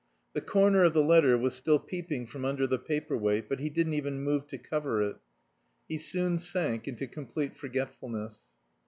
The corner of the letter was still peeping from under the paperweight, but he didn't even move to cover it. He soon sank into complete forgetfulness.